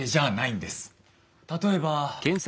例えば。